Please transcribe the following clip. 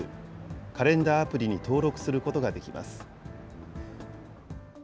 カレンダーアプリに登録することができます。